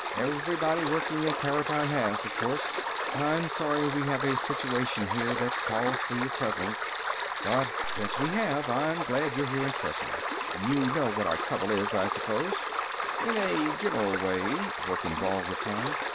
"Everybody working in paratime has, of course. I'm sorry we have a situation here that calls for your presence, but since we have, I'm glad you're here in person. You know what our trouble is, I suppose?" "In a general way," Verkan Vall replied.